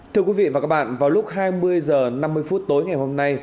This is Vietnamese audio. thưa quý vị và các bạn vào lúc hai mươi h năm mươi phút tối ngày hôm nay